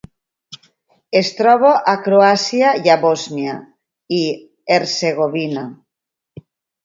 Es troba a Croàcia i a Bòsnia i Hercegovina.